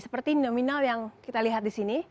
seperti nominal yang kita lihat di sini